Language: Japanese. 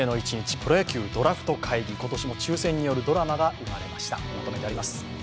プロ野球ドラフト会議今年も抽選によるドラマが生まれました。